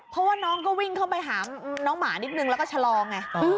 เพราะว่าน้องก็วิ่งเข้าไปหาน้องหมานิดนึงแล้วก็ชะลอไง